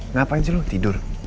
ngapain sih lu tidur